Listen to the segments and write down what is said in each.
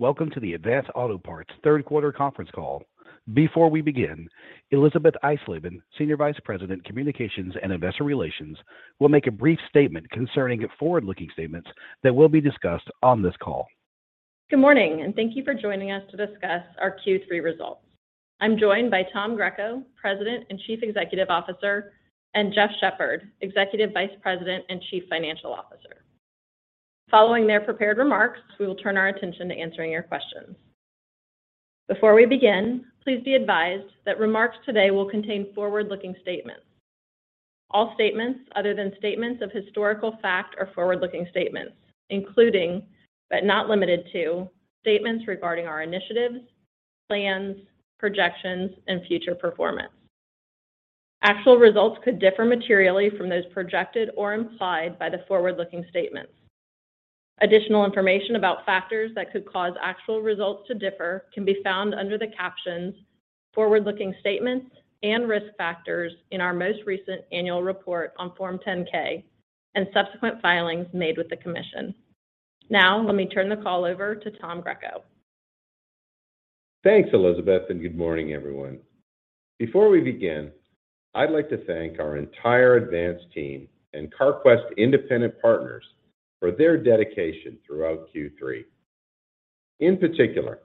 Welcome to the Advance Auto Parts third quarter conference call. Before we begin, Elisabeth Eisleben, Senior Vice President, Communications and Investor Relations, will make a brief statement concerning forward-looking statements that will be discussed on this call. Good morning, and thank you for joining us to discuss our Q3 results. I'm joined by Tom Greco, President and Chief Executive Officer, and Jeff Shepherd, Executive Vice President and Chief Financial Officer. Following their prepared remarks, we will turn our attention to answering your questions. Before we begin, please be advised that remarks today will contain forward-looking statements. All statements other than statements of historical fact are forward-looking statements, including, but not limited to, statements regarding our initiatives, plans, projections, and future performance. Actual results could differ materially from those projected or implied by the forward-looking statements. Additional information about factors that could cause actual results to differ can be found under the captions Forward-Looking Statements and Risk Factors in our most recent annual report on Form 10-K and subsequent filings made with the Commission. Now, let me turn the call over to Tom Greco. Thanks, Elisabeth, and good morning, everyone. Before we begin, I'd like to thank our entire Advance team and Carquest independent partners for their dedication throughout Q3. In particular,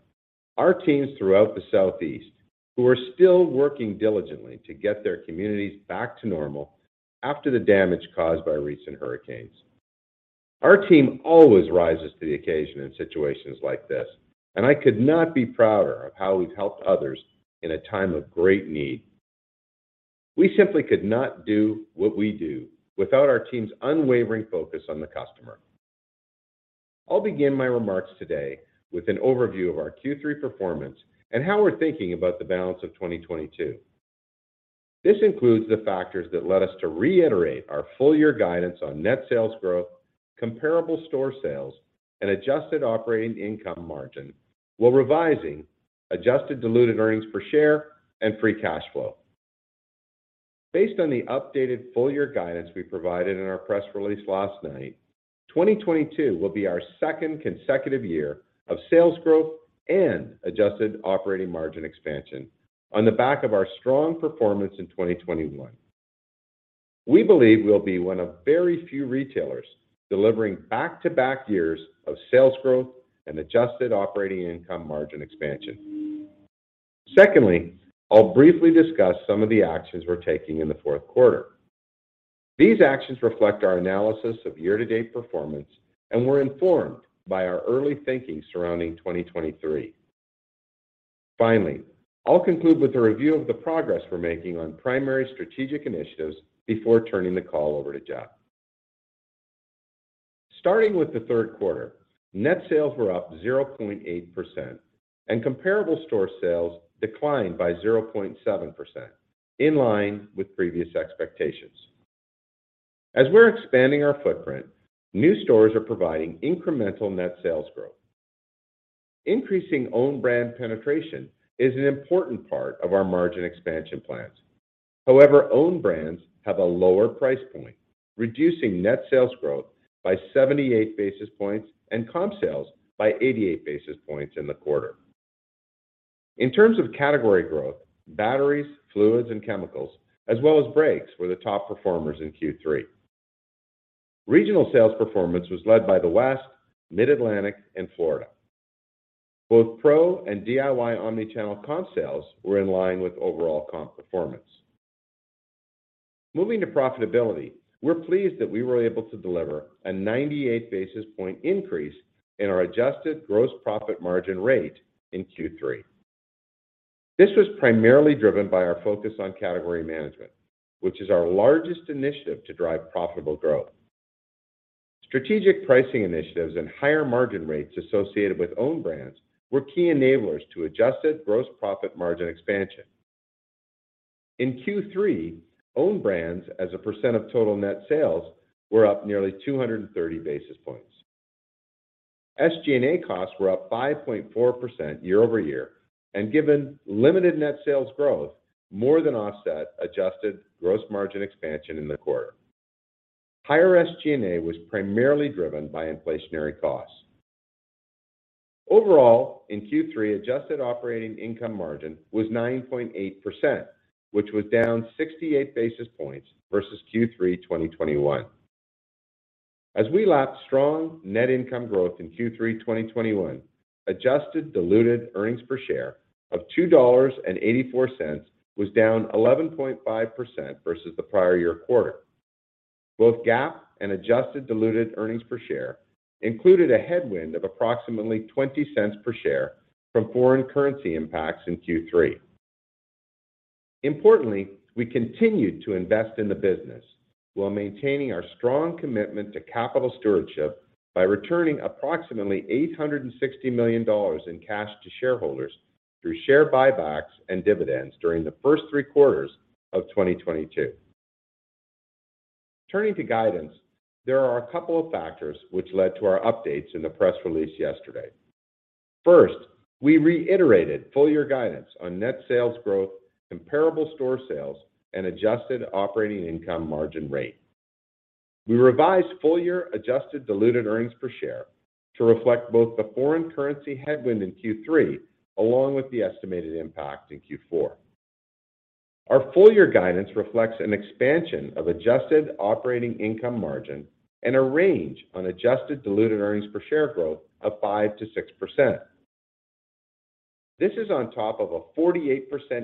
our teams throughout the Southeast who are still working diligently to get their communities back to normal after the damage caused by recent hurricanes. Our team always rises to the occasion in situations like this, and I could not be prouder of how we've helped others in a time of great need. We simply could not do what we do without our team's unwavering focus on the customer. I'll begin my remarks today with an overview of our Q3 performance and how we're thinking about the balance of 2022. This includes the factors that led us to reiterate our full-year guidance on net sales growth, comparable store sales, and adjusted operating income margin, while revising adjusted diluted earnings per share and free cash flow. Based on the updated full year guidance we provided in our press release last night, 2022 will be our second consecutive year of sales growth and adjusted operating margin expansion on the back of our strong performance in 2021. We believe we'll be one of very few retailers delivering back-to-back years of sales growth and adjusted operating income margin expansion. Secondly, I'll briefly discuss some of the actions we're taking in the fourth quarter. These actions reflect our analysis of year-to-date performance and were informed by our early thinking surrounding 2023. Finally, I'll conclude with a review of the progress we're making on primary strategic initiatives before turning the call over to Jeff. Starting with the third quarter, net sales were up 0.8% and comparable store sales declined by 0.7% in line with previous expectations. We're expanding our footprint, new stores are providing incremental net sales growth. Increasing own brand penetration is an important part of our margin expansion plans. However, own brands have a lower price point, reducing net sales growth by 78 basis points and comp sales by 88 basis points in the quarter. In terms of category growth, batteries, fluids, and chemicals, as well as brakes, were the top performers in Q3. Regional sales performance was led by the West, Mid-Atlantic, and Florida. Both pro and DIY omnichannel comp sales were in line with overall comp performance. Moving to profitability, we're pleased that we were able to deliver a 98 basis point increase in our adjusted gross profit margin rate in Q3. This was primarily driven by our focus on category management, which is our largest initiative to drive profitable growth. Strategic pricing initiatives and higher margin rates associated with own brands were key enablers to adjusted gross profit margin expansion. In Q3, own brands as a percent of total net sales were up nearly 230 basis points. SG&A costs were up 5.4% year-over-year, and given limited net sales growth more than offset adjusted gross margin expansion in the quarter. Higher SG&A was primarily driven by inflationary costs. Overall, in Q3, adjusted operating income margin was 9.8%, which was down 68 basis points versus Q3 2021. As we lap strong net income growth in Q3 2021, adjusted diluted earnings per share of $2.84 was down 11.5% versus the prior year quarter. Both GAAP and adjusted diluted earnings per share included a headwind of approximately $0.20 per share from foreign currency impacts in Q3. Importantly, we continued to invest in the business while maintaining our strong commitment to capital stewardship by returning approximately $860 million in cash to shareholders through share buybacks and dividends during the first three quarters of 2022. Turning to guidance, there are a couple of factors which led to our updates in the press release yesterday. First, we reiterated full-year guidance on net sales growth, comparable store sales, and adjusted operating income margin rate. We revised full-year adjusted diluted earnings per share to reflect both the foreign currency headwind in Q3 along with the estimated impact in Q4. Our full-year guidance reflects an expansion of adjusted operating income margin and a range on adjusted diluted earnings per share growth of 5%-6%. This is on top of a 48%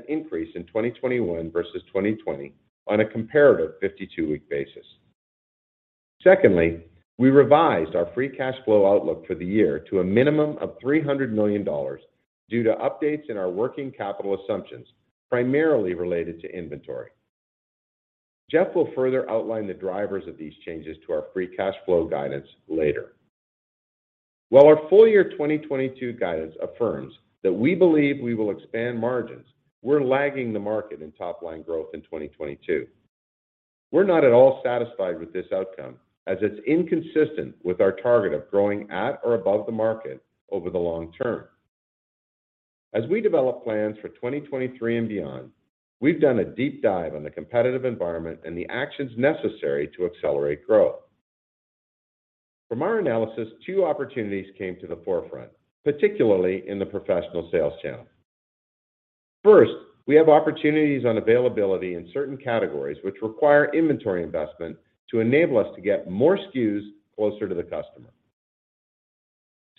increase in 2021 versus 2020 on a comparative 52-week basis. Secondly, we revised our free cash flow outlook for the year to a minimum of $300 million due to updates in our working capital assumptions, primarily related to inventory. Jeff will further outline the drivers of these changes to our free cash flow guidance later. While our full-year 2022 guidance affirms that we believe we will expand margins, we're lagging the market in top line growth in 2022. We're not at all satisfied with this outcome as it's inconsistent with our target of growing at or above the market over the long-term. As we develop plans for 2023 and beyond, we've done a deep dive on the competitive environment and the actions necessary to accelerate growth. From our analysis, two opportunities came to the forefront, particularly in the Professional Sales channel. First, we have opportunities on availability in certain categories which require inventory investment to enable us to get more SKUs closer to the customer.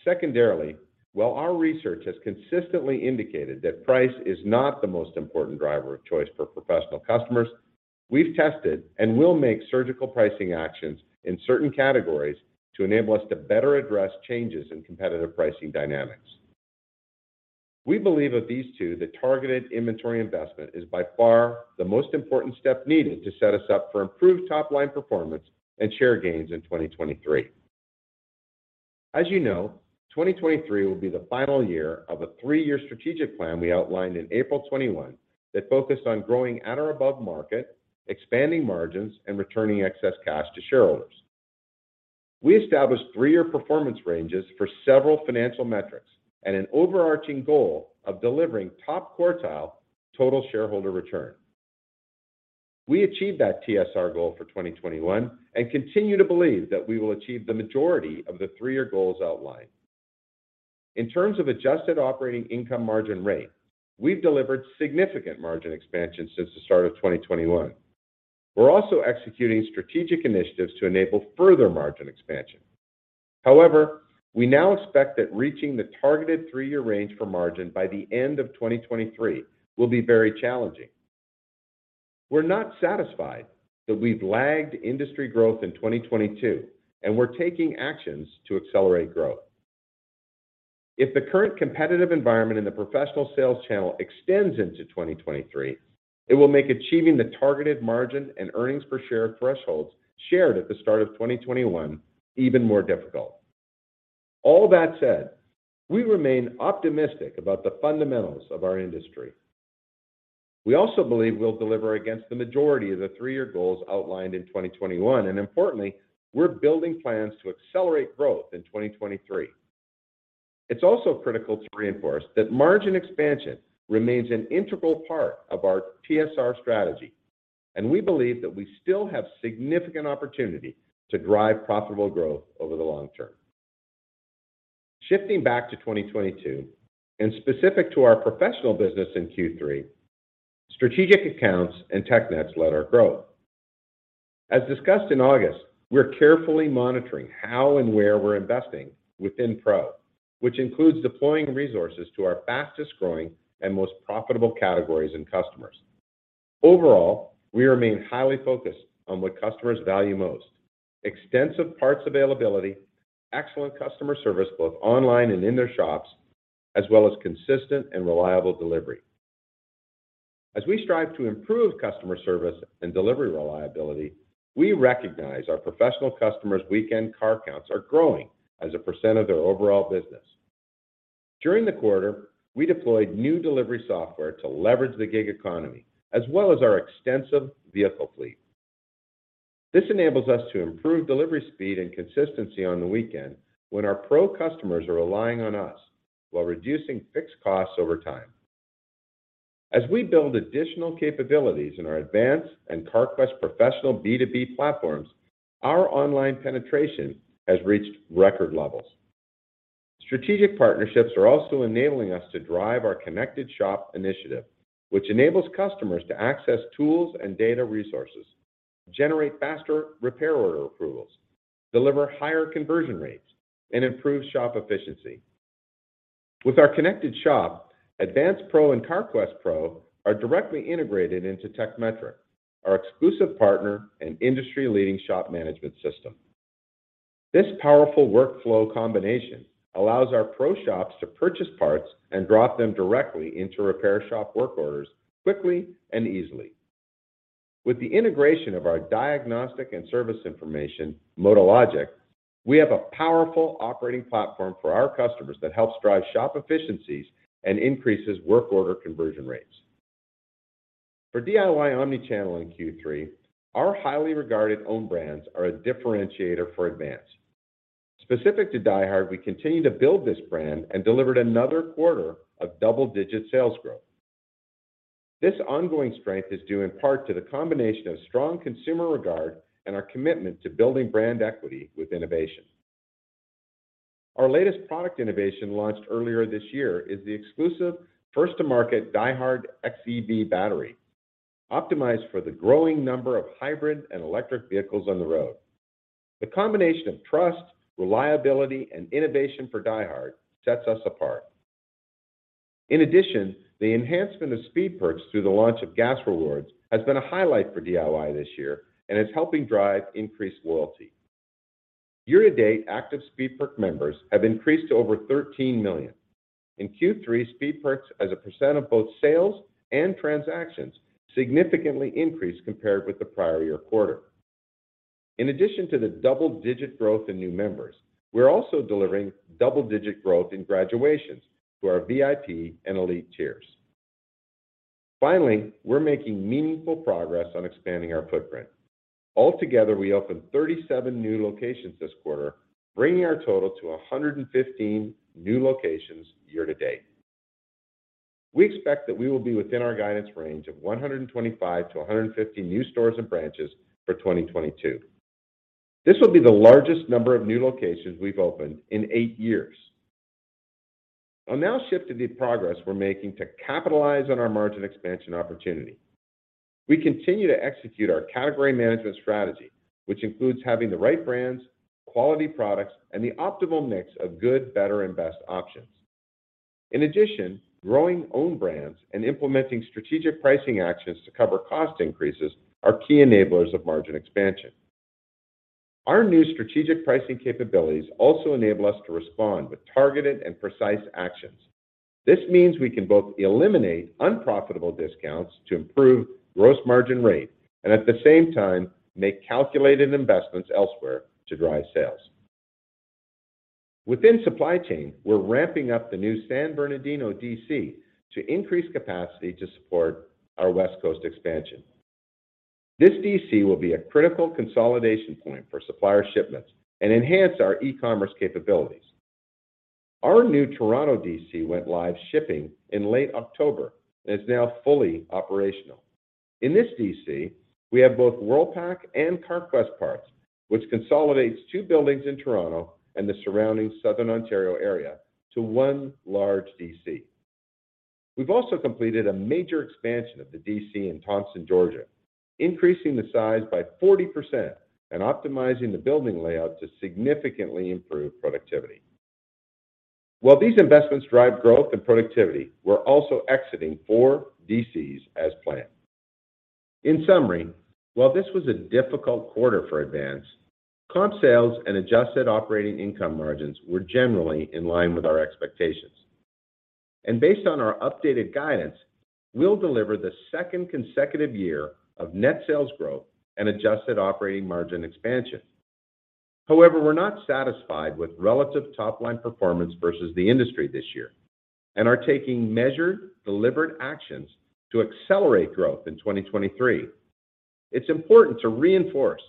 Secondarily, while our research has consistently indicated that price is not the most important driver of choice for professional customers, we've tested and will make surgical pricing actions in certain categories to enable us to better address changes in competitive pricing dynamics. We believe of these two that targeted inventory investment is by far the most important step needed to set us up for improved top-line performance and share gains in 2023. As you know, 2023 will be the final year of a three-year strategic plan we outlined in April 2021 that focused on growing at or above market, expanding margins, and returning excess cash to shareholders. We established three-year performance ranges for several financial metrics and an overarching goal of delivering top quartile total shareholder return. We achieved that TSR goal for 2021 and continue to believe that we will achieve the majority of the three-year goals outlined. In terms of adjusted operating income margin rate, we've delivered significant margin expansion since the start of 2021. We're also executing strategic initiatives to enable further margin expansion. However, we now expect that reaching the targeted three-year range for margin by the end of 2023 will be very challenging. We're not satisfied that we've lagged industry growth in 2022, and we're taking actions to accelerate growth. If the current competitive environment in the professional sales channel extends into 2023, it will make achieving the targeted margin and earnings per share thresholds shared at the start of 2021 even more difficult. All that said, we remain optimistic about the fundamentals of our industry. We also believe we'll deliver against the majority of the three-year goals outlined in 2021, and importantly, we're building plans to accelerate growth in 2023. It's also critical to reinforce that margin expansion remains an integral part of our TSR strategy, and we believe that we still have significant opportunity to drive profitable growth over the long-term. Shifting back to 2022 and specific to our professional business in Q3, strategic accounts and TechNet led our growth. As discussed in August, we're carefully monitoring how and where we're investing within Pro, which includes deploying resources to our fastest-growing and most profitable categories and customers. Overall, we remain highly focused on what customers value most, extensive parts availability, excellent customer service both online and in their shops, as well as consistent and reliable delivery. As we strive to improve customer service and delivery reliability, we recognize our professional customers' weekend car counts are growing as a percent of their overall business. During the quarter, we deployed new delivery software to leverage the gig economy as well as our extensive vehicle fleet. This enables us to improve delivery speed and consistency on the weekend when our Pro customers are relying on us while reducing fixed costs over time. As we build additional capabilities in our Advance and Carquest Professional B2B platforms, our online penetration has reached record levels. Strategic partnerships are also enabling us to drive our Connected Shop initiative, which enables customers to access tools and data resources, generate faster repair order approvals, deliver higher conversion rates, and improve shop efficiency. With our Connected Shop, Advance Pro and Carquest Pro are directly integrated into Tekmetric, our exclusive partner and industry-leading shop management system. This powerful workflow combination allows our Pro shops to purchase parts and drop them directly into repair shop work orders quickly and easily. With the integration of our diagnostic and service information, MotoLogic, we have a powerful operating platform for our customers that helps drive shop efficiencies and increases work order conversion rates. For DIY omni-channel in Q3, our highly regarded own brands are a differentiator for Advance. Specific to DieHard, we continue to build this brand and delivered another quarter of double-digit sales growth. This ongoing strength is due in part to the combination of strong consumer regard and our commitment to building brand equity with innovation. Our latest product innovation, launched earlier this year, is the exclusive first-to-market DieHard EV battery, optimized for the growing number of hybrid and electric vehicles on the road. The combination of trust, reliability, and innovation for DieHard sets us apart. In addition, the enhancement of Speed Perks through the launch of Gas Rewards has been a highlight for DIY this year and is helping drive increased loyalty. Year-to-date, active Speed Perks members have increased to over 13 million. In Q3, Speed Perks as a percent of both sales and transactions significantly increased compared with the prior year quarter. In addition to the double-digit growth in new members, we're also delivering double-digit growth in graduations to our VIP and Elite Tiers. Finally, we're making meaningful progress on expanding our footprint. Altogether, we opened 37 new locations this quarter, bringing our total to 115 new locations year-to-date. We expect that we will be within our guidance range of 125-150 new stores and branches for 2022. This will be the largest number of new locations we've opened in eight years. I'll now shift to the progress we're making to capitalize on our margin expansion opportunity. We continue to execute our category management strategy, which includes having the right brands, quality products, and the optimal mix of good, better, and best options. In addition, growing own brands and implementing strategic pricing actions to cover cost increases are key enablers of margin expansion. Our new strategic pricing capabilities also enable us to respond with targeted and precise actions. This means we can both eliminate unprofitable discounts to improve gross margin rate and at the same time, make calculated investments elsewhere to drive sales. Within supply chain, we're ramping up the new San Bernardino DC to increase capacity to support our West Coast expansion. This DC will be a critical consolidation point for supplier shipments and enhance our e-commerce capabilities. Our new Toronto DC went live shipping in late October and is now fully operational. In this DC, we have both Worldpac and Carquest parts, which consolidates two buildings in Toronto and the surrounding Southern Ontario area to one large DC. We've also completed a major expansion of the DC in Thomson, Georgia, increasing the size by 40% and optimizing the building layout to significantly improve productivity. While these investments drive growth and productivity, we're also exiting four DCs as planned. In summary, while this was a difficult quarter for Advance, comp sales and adjusted operating income margins were generally in line with our expectations. Based on our updated guidance, we'll deliver the second consecutive year of net sales growth and adjusted operating margin expansion. However, we're not satisfied with relative top-line performance versus the industry this year and are taking measured, deliberate actions to accelerate growth in 2023. It's important to reinforce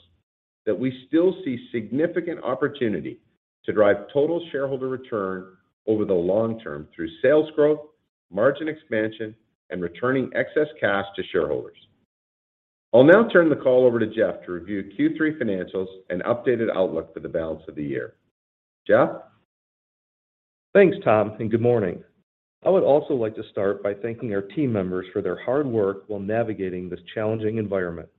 that we still see significant opportunity to drive total shareholder return over the long-term through sales growth, margin expansion, and returning excess cash to shareholders. I'll now turn the call over to Jeff to review Q3 financials and updated outlook for the balance of the year. Jeff? Thanks, Tom, and good morning. I would also like to start by thanking our team members for their hard work while navigating this challenging environment.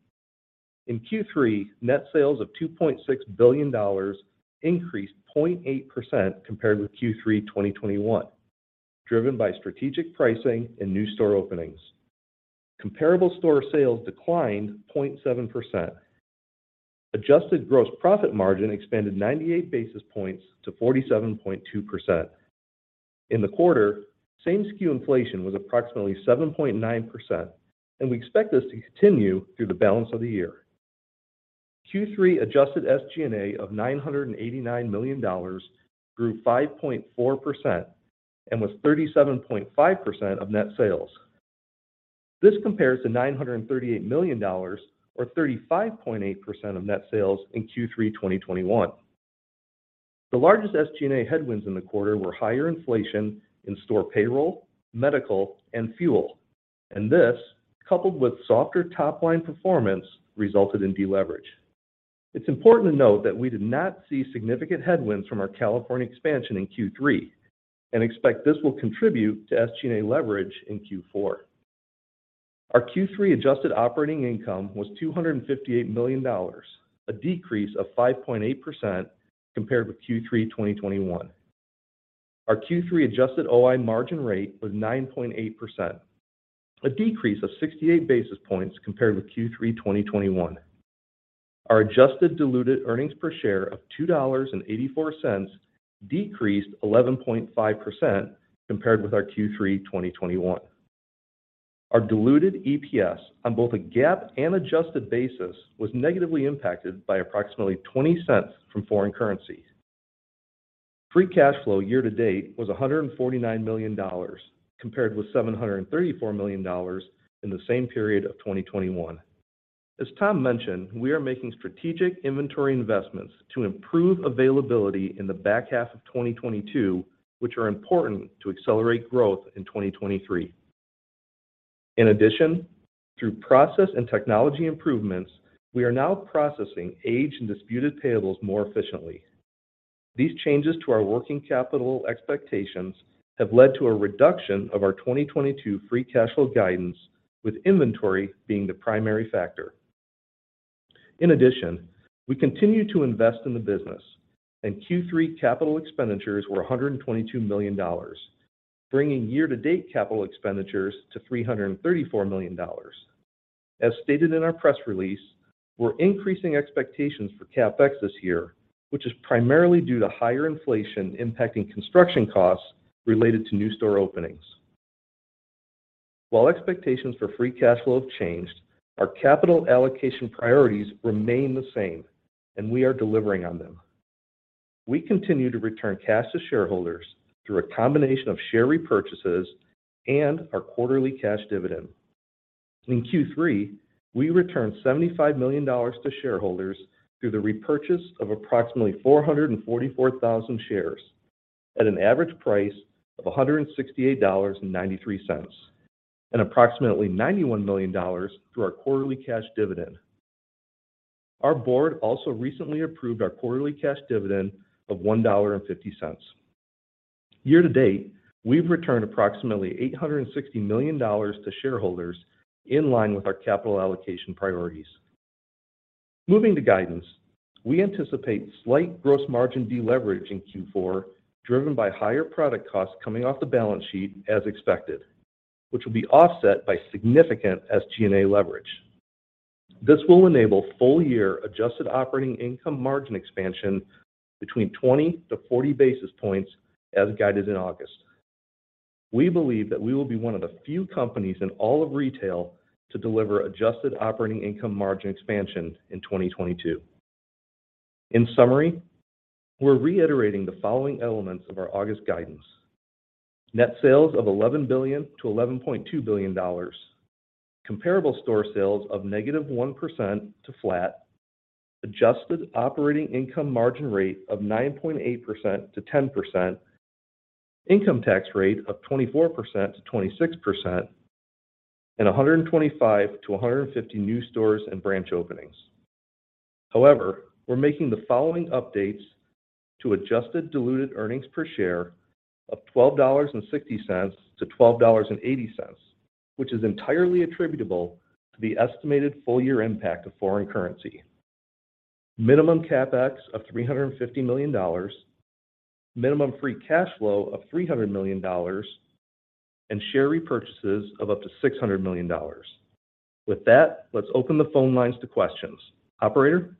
In Q3, net sales of $2.6 billion increased 0.8% compared with Q3 2021, driven by strategic pricing and new store openings. Comparable store sales declined 0.7%. Adjusted gross profit margin expanded 98 basis points to 47.2%. In the quarter, same SKU inflation was approximately 7.9%, and we expect this to continue through the balance of the year. Q3 adjusted SG&A of $989 million grew 5.4% and was 37.5% of net sales. This compares to $938 million or 35.8% of net sales in Q3 2021. The largest SG&A headwinds in the quarter were higher inflation in store payroll, medical, and fuel. This, coupled with softer top-line performance, resulted in deleverage. It's important to note that we did not see significant headwinds from our California expansion in Q3 and expect this will contribute to SG&A leverage in Q4. Our Q3 adjusted operating income was $258 million, a decrease of 5.8% compared with Q3 2021. Our Q3 adjusted OI margin rate was 9.8%, a decrease of 68 basis points compared with Q3 2021. Our adjusted diluted earnings per share of $2.84 decreased 11.5% compared with our Q3 2021. Our diluted EPS on both a GAAP and adjusted basis was negatively impacted by approximately $0.20 from foreign currency. Free cash flow yea- to-date was $149 million compared with $734 million in the same period of 2021. As Tom mentioned, we are making strategic inventory investments to improve availability in the back half of 2022, which are important to accelerate growth in 2023. In addition, through process and technology improvements, we are now processing aged and disputed payables more efficiently. These changes to our working capital expectations have led to a reduction of our 2022 free cash flow guidance, with inventory being the primary factor. In addition, we continue to invest in the business, and Q3 capital expenditures were $122 million, bringing year-to-date capital expenditures to $334 million. As stated in our press release, we're increasing expectations for CapEx this year, which is primarily due to higher inflation impacting construction costs related to new store openings. While expectations for free cash flow have changed, our capital allocation priorities remain the same, and we are delivering on them. We continue to return cash to shareholders through a combination of share repurchases and our quarterly cash dividend. In Q3, we returned $75 million to shareholders through the repurchase of approximately 444,000 shares at an average price of $168.93, and approximately $91 million through our quarterly cash dividend. Our Board also recently approved our quarterly cash dividend of $1.50. Year-to-date, we've returned approximately $860 million to shareholders in line with our capital allocation priorities. Moving to guidance, we anticipate slight gross margin deleverage in Q4, driven by higher product costs coming off the balance sheet as expected, which will be offset by significant SG&A leverage. This will enable full-year adjusted operating income margin expansion between 20-40 basis points as guided in August. We believe that we will be one of the few companies in all of retail to deliver adjusted operating income margin expansion in 2022. In summary, we're reiterating the following elements of our August guidance. Net sales of $11 billion-$11.2 billion. Comparable store sales of -1% to flat. Adjusted operating income margin rate of 9.8%-10%. Income tax rate of 24%-26%. 125-150 new stores and branch openings. However, we're making the following updates to adjusted diluted earnings per share of $12.60-$12.80, which is entirely attributable to the estimated full-year impact of foreign currency. Minimum CapEx of $350 million. Minimum free cash flow of $300 million. Share repurchases of up to $600 million. With that, let's open the phone lines to questions. Operator?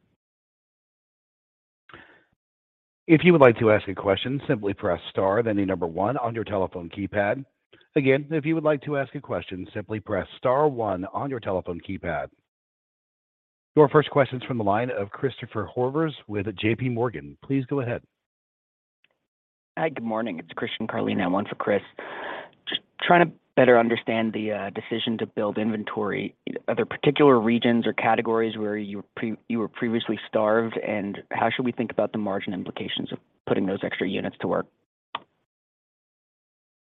If you would like to ask a question, simply press Star, then the number one on your telephone keypad. Again, if you would like to ask a question, simply press Star one on your telephone keypad. Your first question is from the line of Christopher Horvers with JPMorgan. Please go ahead. Hi, good morning. It's Christian Carlino in for Chris. Just trying to better understand the decision to build inventory. Are there particular regions or categories where you were previously starved, and how should we think about the margin implications of putting those extra units to work?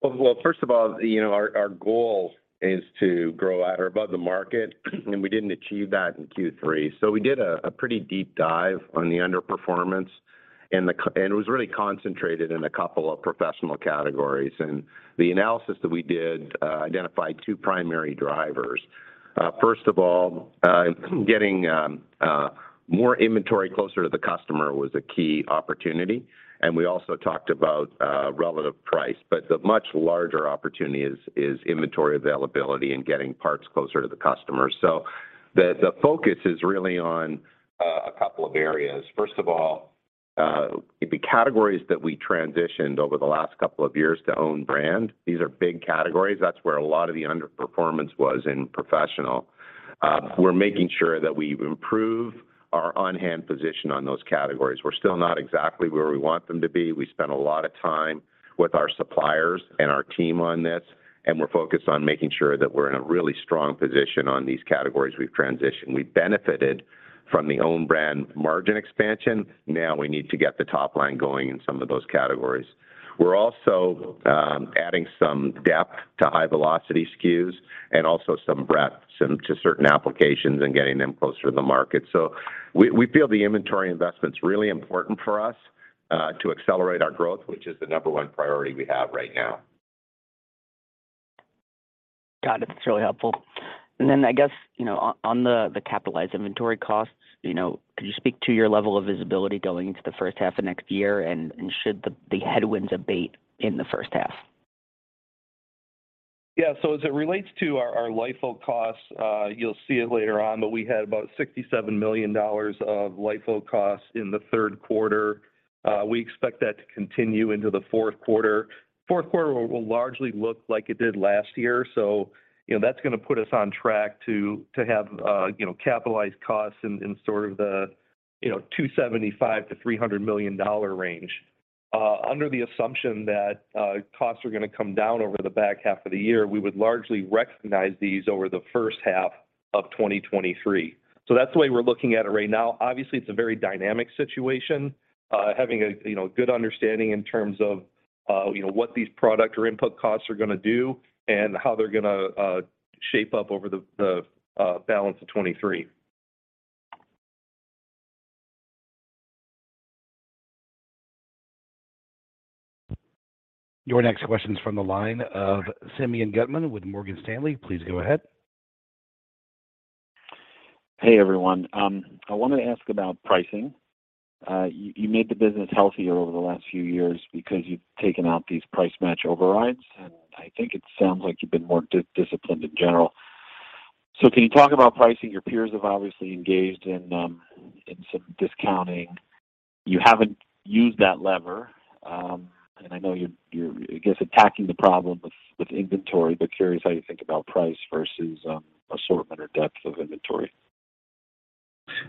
Well, first of all, you know, our goal is to grow at or above the market and we didn't achieve that in Q3. We did a pretty deep dive on the underperformance and it was really concentrated in a couple of professional categories. The analysis that we did identified two primary drivers. First of all, getting more inventory closer to the customer was a key opportunity, and we also talked about relative price. The much larger opportunity is inventory availability and getting parts closer to the customer. The focus is really on a couple of areas. First of all, the categories that we transitioned over the last couple of years to own brand, these are big categories. That's where a lot of the underperformance was in professional. We're making sure that we improve our on-hand position on those categories. We're still not exactly where we want them to be. We spent a lot of time with our suppliers and our team on this, and we're focused on making sure that we're in a really strong position on these categories we've transitioned. We benefited from the own brand margin expansion. Now we need to get the top line going in some of those categories. We're also adding some depth to high velocity SKUs and also some breadth to certain applications and getting them closer to the market. We feel the inventory investment's really important for us to accelerate our growth, which is the number one priority we have right now. Got it. That's really helpful. I guess, you know, on the capitalized inventory costs, you know, could you speak to your level of visibility going into the first half of next year? And should the headwinds abate in the first half? As it relates to our LIFO costs, you'll see it later on, but we had about $67 million of LIFO costs in the third quarter. We expect that to continue into the fourth quarter. Fourth quarter will largely look like it did last year. You know, that's gonna put us on track to have capitalized costs in sort of the $275 million-$300 million range. Under the assumption that costs are gonna come down over the back half of the year, we would largely recognize these over the first half of 2023. That's the way we're looking at it right now. Obviously, it's a very dynamic situation, having a, you know, good understanding in terms of, you know, what these product or input costs are gonna do and how they're gonna shape up over the, balance of 2023. Your next question is from the line of Simeon Gutman with Morgan Stanley. Please go ahead. Hey, everyone. I wanna ask about pricing. You made the business healthier over the last few years because you've taken out these price match overrides, and I think it sounds like you've been more disciplined in general. So can you talk about pricing? Your peers have obviously engaged in some discounting. You haven't used that lever, and I know you're attacking the problem with inventory. Curious how you think about price versus assortment or depth of inventory.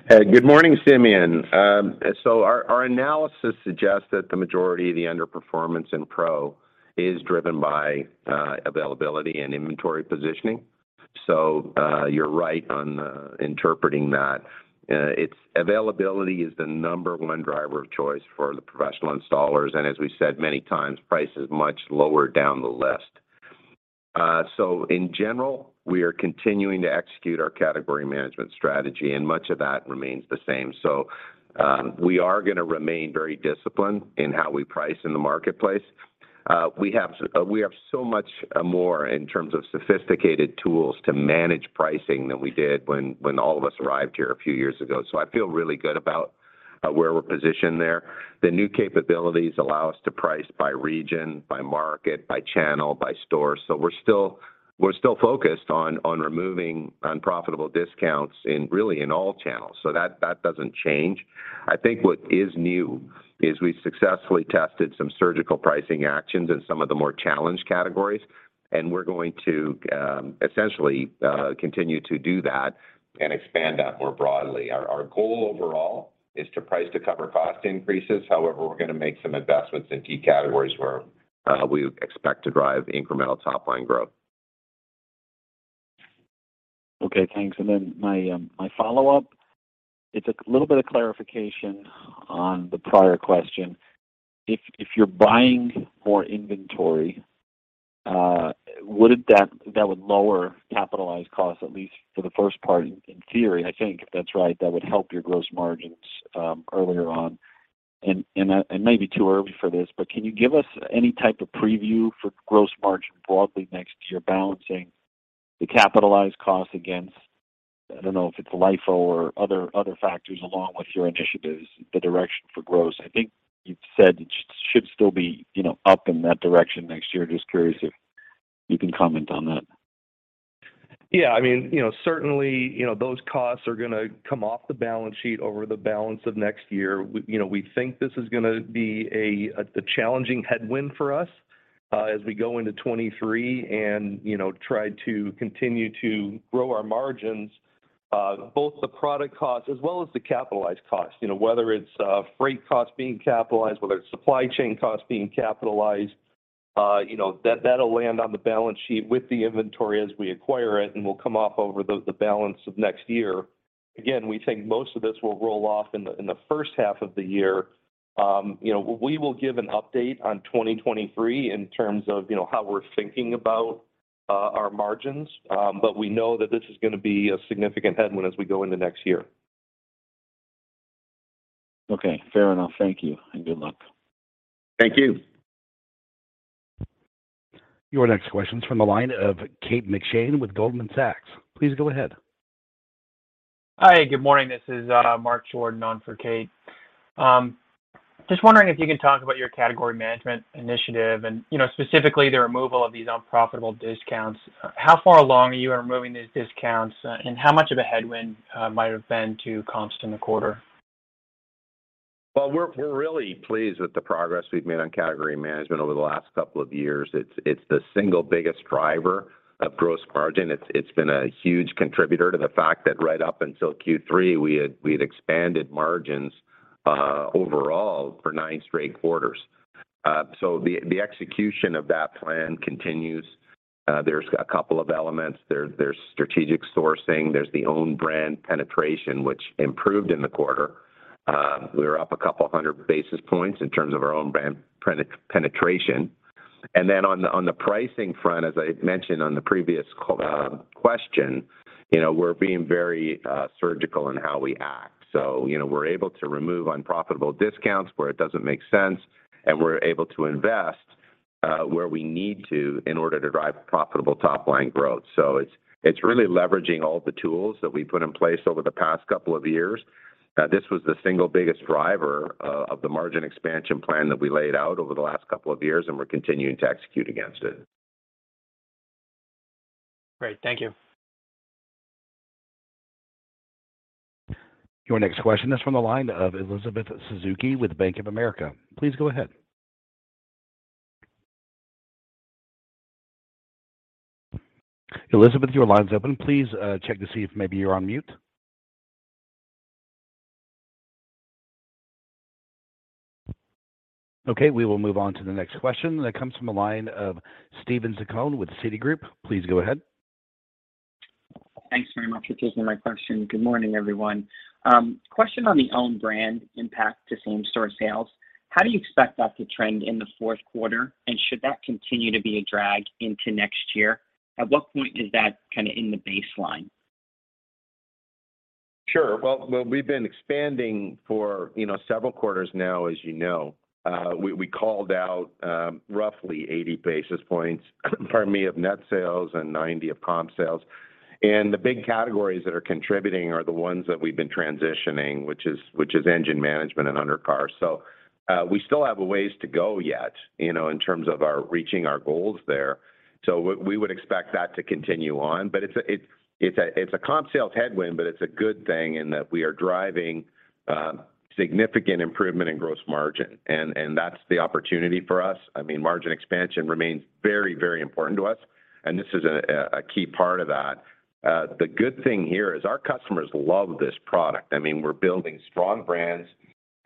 Good morning, Simeon. Our analysis suggests that the majority of the underperformance in Pro is driven by availability and inventory positioning. You're right on interpreting that. Availability is the number one driver of choice for the professional installers, and as we said many times, price is much lower down the list. In general, we are continuing to execute our category management strategy, and much of that remains the same. We are gonna remain very disciplined in how we price in the marketplace. We have so much more in terms of sophisticated tools to manage pricing than we did when all of us arrived here a few years ago. I feel really good about where we're positioned there. The new capabilities allow us to price by region, by market, by channel, by store. We're still focused on removing unprofitable discounts in really in all channels. That doesn't change. I think what is new is we successfully tested some surgical pricing actions in some of the more challenged categories, and we're going to essentially continue to do that and expand that more broadly. Our goal overall is to price to cover cost increases. However, we're gonna make some investments in key categories where we expect to drive incremental top line growth. Okay, thanks. My follow-up is a little bit of clarification on the prior question. If you're buying more inventory, wouldn't that lower capitalized costs at least for the first part in theory. I think if that's right, that would help your gross margins earlier on. It may be too early for this, but can you give us any type of preview for gross margin broadly next year, balancing the capitalized costs against, I don't know if it's LIFO or other factors along with your initiatives, the direction for growth? I think you've said it should still be, you know, up in that direction next year. Just curious if you can comment on that. Yeah. I mean, you know, certainly, you know, those costs are gonna come off the balance sheet over the balance of next year. We, you know, we think this is gonna be a challenging headwind for us, as we go into 2023 and, you know, try to continue to grow our margins. Both the product costs as well as the capitalized costs, you know, whether it's freight costs being capitalized, whether it's supply chain costs being capitalized, you know, that'll land on the balance sheet with the inventory as we acquire it and will come off over the balance of next year. Again, we think most of this will roll off in the first half of the year. You know, we will give an update on 2023 in terms of, you know, how we're thinking about our margins. We know that this is gonna be a significant headwind as we go into next year. Okay, fair enough. Thank you, and good luck. Thank you. Your next question is from the line of Kate McShane with Goldman Sachs. Please go ahead. Hi. Good morning. This is Mark Jordan on for Kate. Just wondering if you can talk about your category management initiative and, you know, specifically the removal of these unprofitable discounts. How far along are you in removing these discounts, and how much of a headwind might have been to comps in the quarter? We're really pleased with the progress we've made on category management over the last couple of years. It's the single biggest driver of gross margin. It's been a huge contributor to the fact that right up until Q3 we had expanded margins overall for nine straight quarters. The execution of that plan continues. There's a couple of elements. There's strategic sourcing. There's the own brand penetration, which improved in the quarter. We were up a couple hundred basis points in terms of our own brand penetration. Then on the pricing front, as I mentioned on the previous question, you know, we're being very surgical in how we act. You know, we're able to remove unprofitable discounts where it doesn't make sense, and we're able to invest where we need to in order to drive profitable top line growth. It's really leveraging all the tools that we've put in place over the past couple of years. This was the single biggest driver of the margin expansion plan that we laid out over the last couple of years, and we're continuing to execute against it. Great. Thank you. Your next question is from the line of Elizabeth Suzuki with Bank of America. Please go ahead. Elizabeth, your line's open. Please, check to see if maybe you're on mute. Okay, we will move on to the next question that comes from the line of Steven Zaccone with Citigroup. Please go ahead. Thanks very much for taking my question. Good morning, everyone. Question on the own brand impact to same-store sales. How do you expect that to trend in the fourth quarter? And should that continue to be a drag into next year? At what point is that kinda in the baseline? Sure. Well, we've been expanding for, you know, several quarters now as you know. We called out roughly 80 basis points, pardon me, of net sales and 90 of comp sales. The big categories that are contributing are the ones that we've been transitioning, which is engine management and undercar. We still have a ways to go yet, you know, in terms of our reaching our goals there. We would expect that to continue on, but it's a comp sales headwind, but it's a good thing in that we are driving significant improvement in gross margin. That's the opportunity for us. I mean, margin expansion remains very, very important to us, and this is a key part of that. The good thing here is our customers love this product. I mean, we're building strong brands.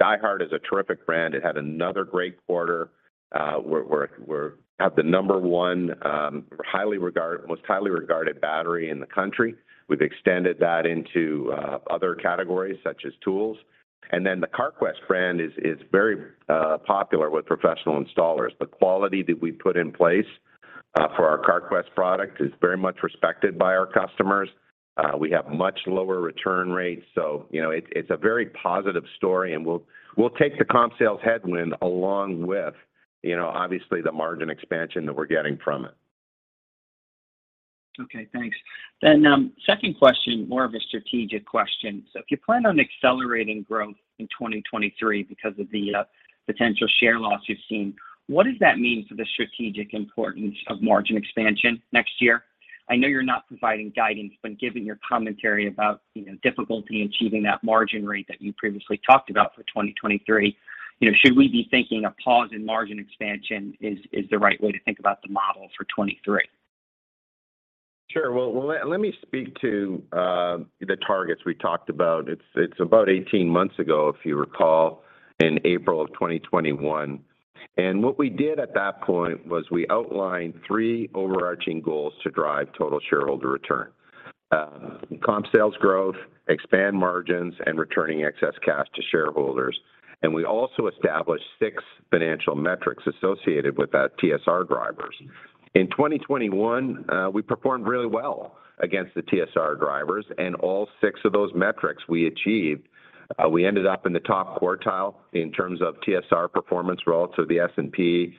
DieHard is a terrific brand. It had another great quarter. We're at the number one most highly regarded battery in the country. We've extended that into other categories such as tools. The Carquest brand is very popular with professional installers. The quality that we put in place for our Carquest product is very much respected by our customers. We have much lower return rates, so you know, it's a very positive story, and we'll take the comp sales headwind along with, you know, obviously the margin expansion that we're getting from it. Okay, thanks. Second question, more of a strategic question. If you plan on accelerating growth in 2023 because of the potential share loss you've seen, what does that mean for the strategic importance of margin expansion next year? I know you're not providing guidance, but given your commentary about, you know, difficulty achieving that margin rate that you previously talked about for 2023, you know, should we be thinking a pause in margin expansion is the right way to think about the model for 2023? Sure. Well, let me speak to the targets we talked about. It's about 18 months ago, if you recall, in April 2021. What we did at that point was we outlined three overarching goals to drive total shareholder return. Comp sales growth, expand margins, and returning excess cash to shareholders. We also established 6 financial metrics associated with that TSR drivers. In 2021, we performed really well against the TSR drivers and all 6 of those metrics we achieved. We ended up in the top quartile in terms of TSR performance relative to the S&P.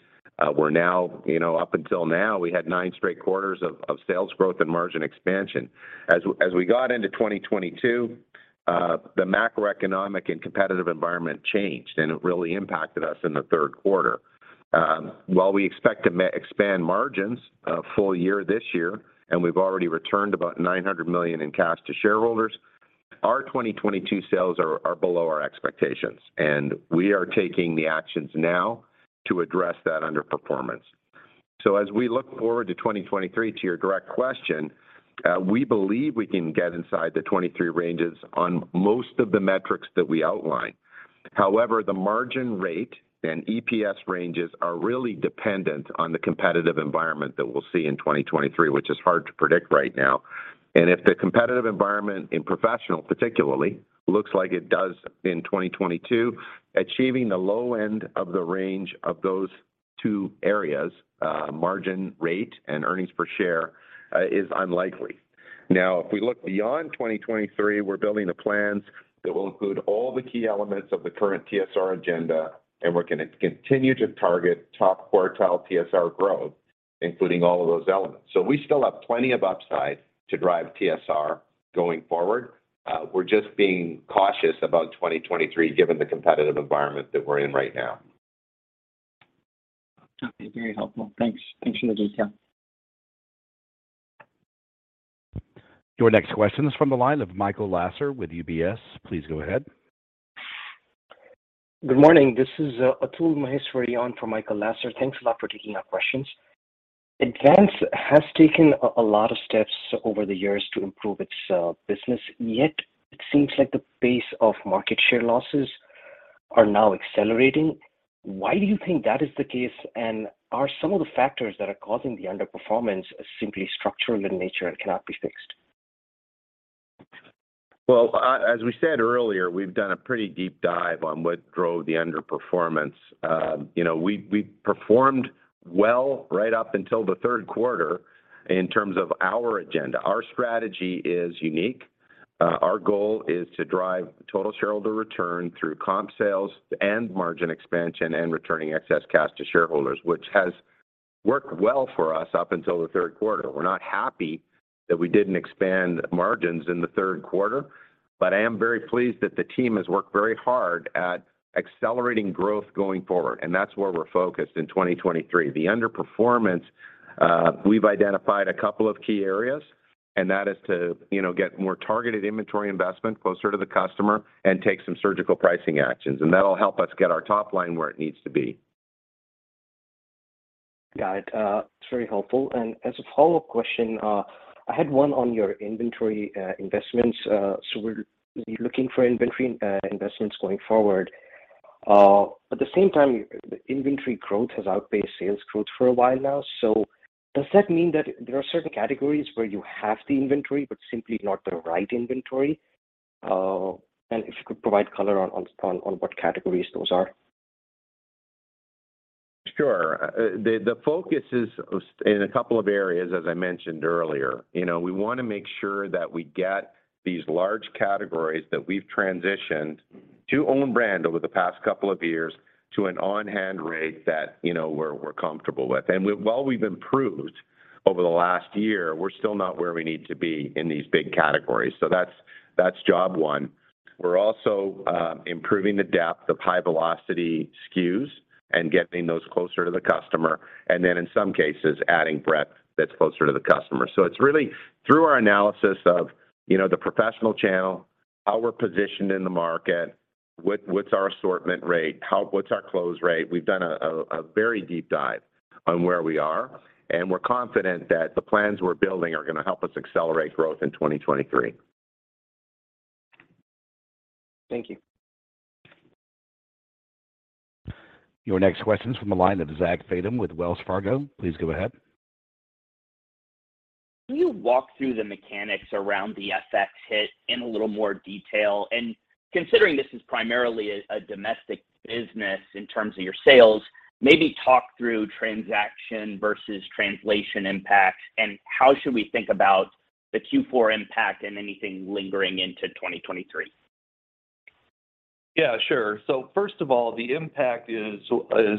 We're now, you know, up until now, we had nine straight quarters of sales growth and margin expansion. As we got into 2022, the macroeconomic and competitive environment changed, and it really impacted us in the third quarter. While we expect to expand margins full-year this year, and we've already returned about $900 million in cash to shareholders, our 2022 sales are below our expectations, and we are taking the actions now to address that underperformance. As we look forward to 2023, to your direct question, we believe we can get inside the 2023 ranges on most of the metrics that we outlined. However, the margin rate and EPS ranges are really dependent on the competitive environment that we'll see in 2023, which is hard to predict right now. If the competitive environment in professional particularly looks like it does in 2022, achieving the low end of the range of those two areas, margin rate and earnings per share, is unlikely. Now, if we look beyond 2023, we're building the plans that will include all the key elements of the current TSR agenda, and we're gonna continue to target top quartile TSR growth, including all of those elements. We still have plenty of upside to drive TSR going forward. We're just being cautious about 2023 given the competitive environment that we're in right now. Okay. Very helpful. Thanks. Thanks for the detail. Your next question is from the line of Michael Lasser with UBS. Please go ahead. Good morning. This is Atul Maheshwari on for Michael Lasser. Thanks a lot for taking our questions. Advance has taken a lot of steps over the years to improve its business, yet it seems like the pace of market share losses are now accelerating. Why do you think that is the case? And are some of the factors that are causing the underperformance simply structural in nature and cannot be fixed? Well, as we said earlier, we've done a pretty deep dive on what drove the underperformance. You know, we performed well right up until the third quarter in terms of our agenda. Our strategy is unique. Our goal is to drive total shareholder return through comp sales and margin expansion and returning excess cash to shareholders, which has worked well for us up until the third quarter. We're not happy that we didn't expand margins in the third quarter, but I am very pleased that the team has worked very hard at accelerating growth going forward, and that's where we're focused in 2023. The underperformance, we've identified a couple of key areas, and that is to, you know, get more targeted inventory investment closer to the customer and take some surgical pricing actions, and that'll help us get our top line where it needs to be. Got it. It's very helpful. As a follow-up question, I had one on your inventory investments. We're looking for inventory investments going forward. At the same time, the inventory growth has outpaced sales growth for a while now. Does that mean that there are certain categories where you have the inventory, but simply not the right inventory? If you could provide color on what categories those are. Sure. The focus is in a couple of areas, as I mentioned earlier. You know, we wanna make sure that we get these large categories that we've transitioned to own brand over the past couple of years to an on-hand rate that, you know, we're comfortable with. While we've improved over the last year, we're still not where we need to be in these big categories. That's job one. We're also improving the depth of high velocity SKUs and getting those closer to the customer. Then in some cases, adding breadth that's closer to the customer. It's really through our analysis of, you know, the professional channel, how we're positioned in the market, what's our assortment rate, what's our close rate? We've done a very deep dive on where we are, and we're confident that the plans we're building are gonna help us accelerate growth in 2023. Thank you. Your next question's from the line of Zach Fadem with Wells Fargo. Please go ahead. Can you walk through the mechanics around the FX hit in a little more detail? Considering this is primarily a domestic business in terms of your sales, maybe talk through transaction versus translation impacts, and how should we think about the Q4 impact and anything lingering into 2023? Yeah, sure. First of all, the impact is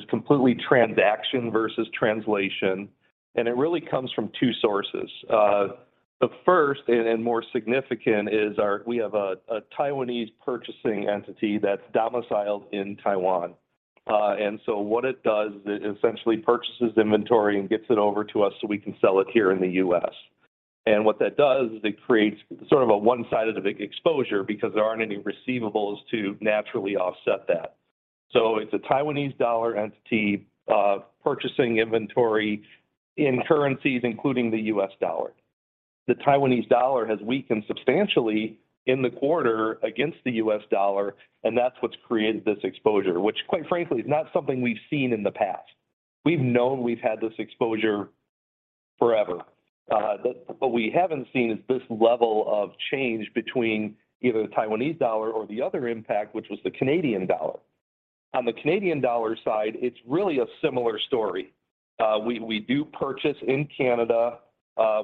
completely transaction versus translation, and it really comes from two sources. The first and more significant is our Taiwanese purchasing entity that's domiciled in Taiwan. What it does, it essentially purchases inventory and gets it over to us, so we can sell it here in the U.S. What that does is it creates sort of a one-sided exposure because there aren't any receivables to naturally offset that. It's a Taiwanese dollar entity, purchasing inventory in currencies, including the U.S. dollar. The Taiwanese dollar has weakened substantially in the quarter against the U.S. dollar, and that's what's created this exposure, which quite frankly is not something we've seen in the past. We've known we've had this exposure forever. What we haven't seen is this level of change between either the Taiwanese dollar or the other impact, which was the Canadian dollar. On the Canadian dollar side, it's really a similar story. We do purchase in Canada,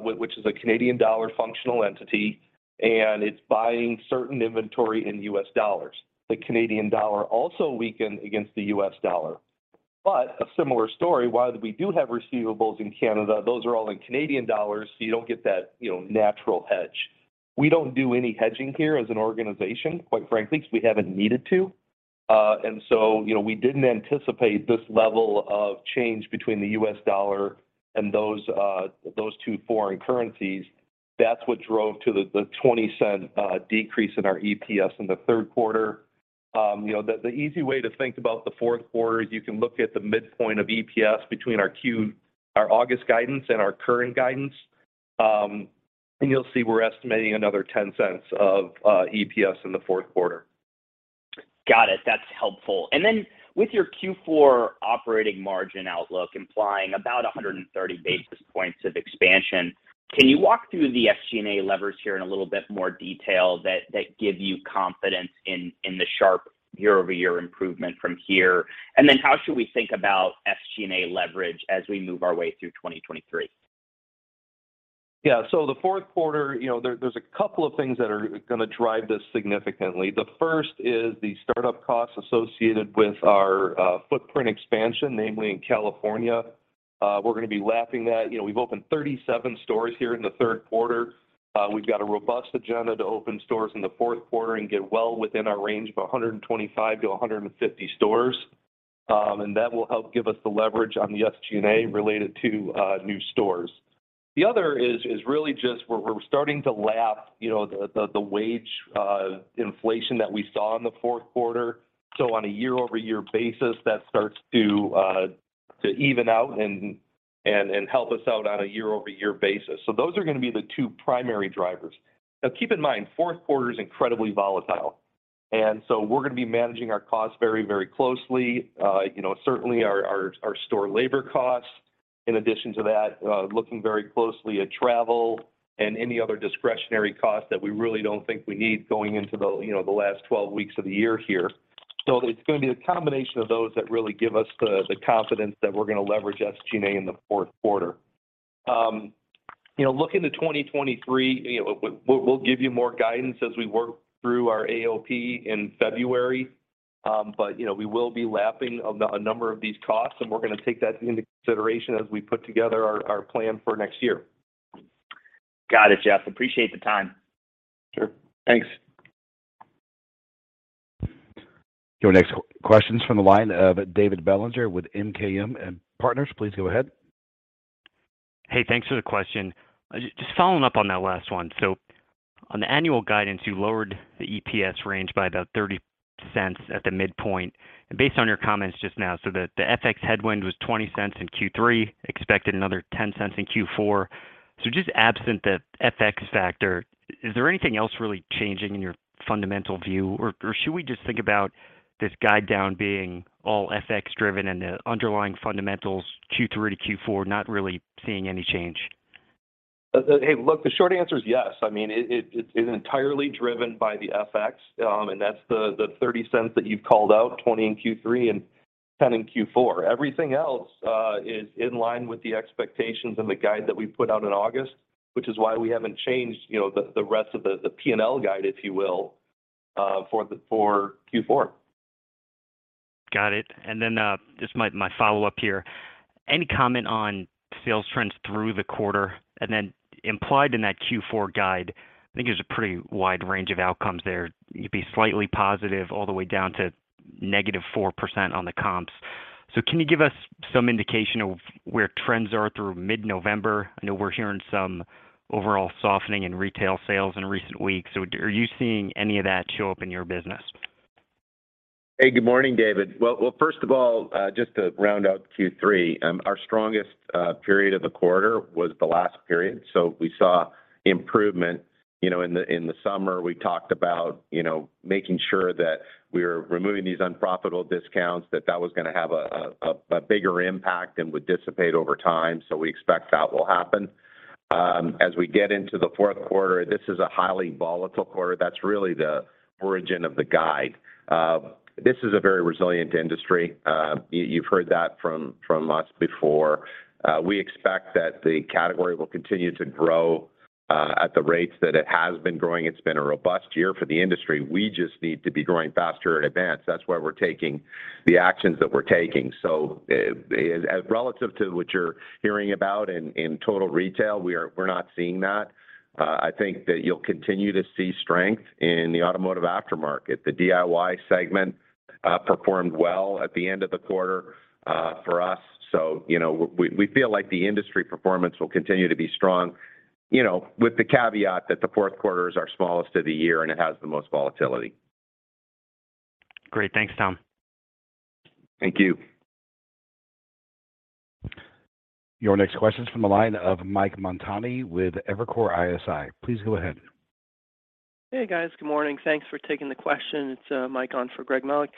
which is a Canadian dollar functional entity, and it's buying certain inventory in U.S. dollars. The Canadian dollar also weakened against the US dollar. A similar story, while we do have receivables in Canada, those are all in Canadian dollars, so you don't get that, you know, natural hedge. We don't do any hedging here as an organization, quite frankly, 'cause we haven't needed to. You know, we didn't anticipate this level of change between the U.S. dollar and those two foreign currencies. That's what drove the $0.20 decrease in our EPS in the third quarter. You know, the easy way to think about the fourth quarter is you can look at the midpoint of EPS between our August guidance and our current guidance. You'll see we're estimating another $0.10 of EPS in the fourth quarter. Got it. That's helpful. With your Q4 operating margin outlook implying about 130 basis points of expansion, can you walk through the SG&A levers here in a little bit more detail that give you confidence in the sharp year-over-year improvement from here? How should we think about SG&A leverage as we move our way through 2023? Yeah. The fourth quarter, you know, there's a couple of things that are gonna drive this significantly. The first is the startup costs associated with our footprint expansion, namely in California. We're gonna be lapping that. You know, we've opened 37 stores here in the third quarter. We've got a robust agenda to open stores in the fourth quarter and get well within our range of 125-150 stores. And that will help give us the leverage on the SG&A related to new stores. The other is really just we're starting to lap, you know, the wage inflation that we saw in the fourth quarter. On a year-over-year basis, that starts to even out and help us out on a year-over-year basis. Those are gonna be the two primary drivers. Now, keep in mind, fourth quarter is incredibly volatile, and so we're gonna be managing our costs very, very closely. You know, certainly our store labor costs. In addition to that, looking very closely at travel and any other discretionary cost that we really don't think we need going into the, you know, the last 12 weeks of the year here. It's gonna be a combination of those that really give us the confidence that we're gonna leverage SG&A in the fourth quarter. You know, look into 2023, you know, we'll give you more guidance as we work through our AOP in February. You know, we will be lapping a number of these costs, and we're gonna take that into consideration as we put together our plan for next year. Got it, Jeff. Appreciate the time. Sure. Thanks. Your next question's from the line of David Bellinger with MKM Partners. Please go ahead. Hey, thanks for the question. Just following up on that last one. On the annual guidance, you lowered the EPS range by about $0.30 at the midpoint. Based on your comments just now, so the FX headwind was $0.20 in Q3, expected another $0.10 in Q4. Just absent the FX factor, is there anything else really changing in your fundamental view? Or should we just think about this guide down being all FX driven and the underlying fundamentals Q3 to Q4 not really seeing any change? Hey, look, the short answer is yes. I mean, it's entirely driven by the FX, and that's the $0.30 that you've called out, $0.20 in Q3 and $0.10 in Q4. Everything else is in line with the expectations and the guide that we put out in August, which is why we haven't changed, you know, the rest of the P&L guide, if you will, for Q4. Got it. Just my follow-up here. Any comment on sales trends through the quarter? Implied in that Q4 guide, I think there's a pretty wide range of outcomes there. You'd be slightly positive all the way down to -4% on the comps. Can you give us some indication of where trends are through mid-November? I know we're hearing some overall softening in retail sales in recent weeks. Are you seeing any of that show up in your business? Hey, good morning, David. First of all, just to round out Q3, our strongest period of the quarter was the last period. We saw improvement. You know, in the summer, we talked about, you know, making sure that we are removing these unprofitable discounts, that was gonna have a bigger impact and would dissipate over time. We expect that will happen. As we get into the fourth quarter, this is a highly volatile quarter. That's really the origin of the guide. This is a very resilient industry. You've heard that from us before. We expect that the category will continue to grow at the rates that it has been growing. It's been a robust year for the industry. We just need to be growing faster at Advance. That's why we're taking the actions that we're taking. Relative to what you're hearing about in total retail, we're not seeing that. I think that you'll continue to see strength in the automotive aftermarket. The DIY segment performed well at the end of the quarter for us. You know, we feel like the industry performance will continue to be strong, you know, with the caveat that the fourth quarter is our smallest of the year and it has the most volatility. Great. Thanks, Tom. Thank you. Your next question is from the line of Mike Montani with Evercore ISI. Please go ahead. Hey, guys. Good morning. Thanks for taking the question. It's Mike on for Greg Melich.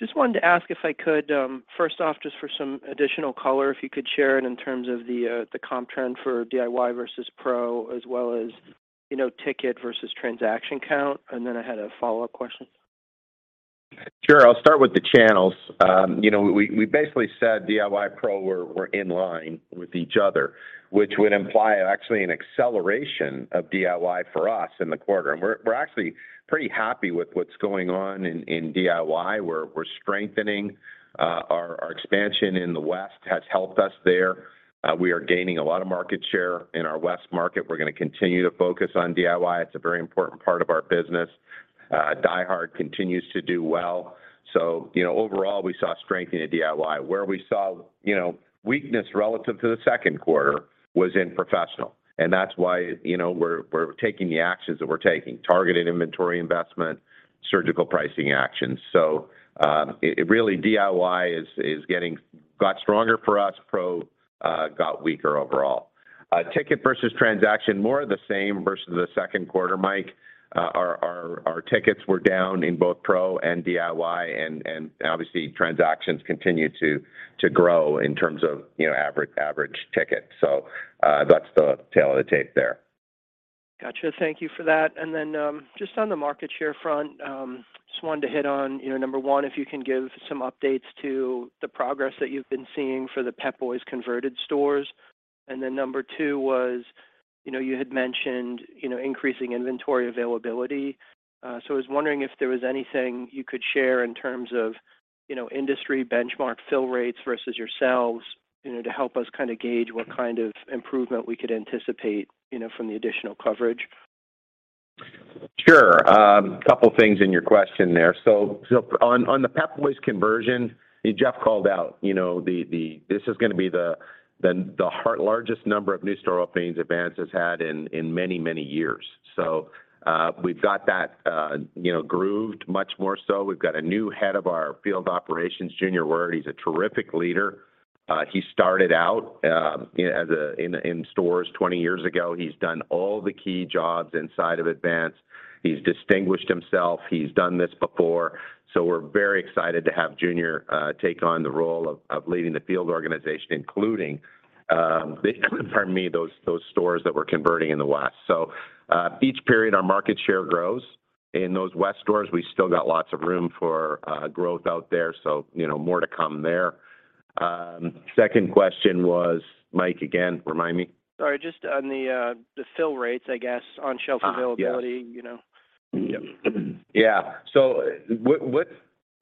Just wanted to ask if I could first off, just for some additional color, if you could share it in terms of the comp trend for DIY versus pro, as well as, you know, ticket versus transaction count. Then I had a follow-up question. Sure. I'll start with the channels. You know, we basically said DIY, pro were in line with each other, which would imply actually an acceleration of DIY for us in the quarter. We're actually pretty happy with what's going on in DIY. We're strengthening. Our expansion in the West has helped us there. We are gaining a lot of market share in our West market. We're gonna continue to focus on DIY. It's a very important part of our business. DieHard continues to do well. You know, overall, we saw strength in the DIY. Where we saw, you know, weakness relative to the second quarter was in professional, and that's why, you know, we're taking the actions that we're taking, targeted inventory investment, surgical pricing actions. It really, DIY is getting a lot stronger for us. Pro got weaker overall. Ticket versus transaction, more of the same versus the second quarter, Mike. Our tickets were down in both Pro and DIY, and obviously, transactions continue to grow in terms of, you know, average ticket. That's the tale of the tape there. Got you. Thank you for that. Then, just on the market share front, just wanted to hit on, you know, number one, if you can give some updates to the progress that you've been seeing for the Pep Boys converted stores. Then number two was, you know, you had mentioned, you know, increasing inventory availability. So I was wondering if there was anything you could share in terms of, you know, industry benchmark fill rates versus yourselves, you know, to help us kinda gauge what kind of improvement we could anticipate, you know, from the additional coverage. Sure. A couple of things in your question there. On the Pep Boys conversion, Jeff called out, you know, this is gonna be the largest number of new store openings Advance has had in many years. We've got that, you know, moving much more so. We've got a new Head of our Field Operations, Junior Word. He's a terrific leader. He started out in stores 20 years ago. He's done all the key jobs inside of Advance. He's distinguished himself. He's done this before. We're very excited to have Junior take on the role of leading the field organization, including, pardon me, those stores that we're converting in the West. Each period, our market share grows. In those West stores, we still got lots of room for growth out there, so, you know, more to come there. Second question was, Mike, again, remind me. Sorry. Just on the fill rates, I guess, on shelf availability. Yes. you know? Yeah.